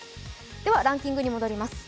ではランキングに戻ります。